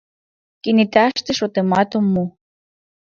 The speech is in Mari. Кенеташте шотымат ом му.